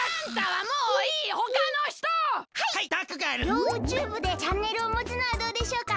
ヨウＴＵＢＥでチャンネルをもつのはどうでしょうか？